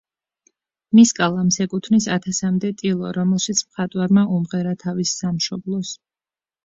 მის კალამს ეკუთვნის ათასამდე ტილო, რომელშიც მხატვარმა უმღერა თავის სამშობლოს.